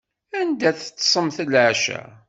Anda teṭṭsemt leɛca?